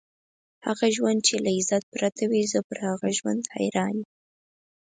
هغه ژوند چې له عزت پرته وي، زه پر هغه ژوند حیران یم.